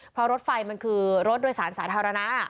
เพราะรถไฟมันคือรถโดยสารสาธารณะ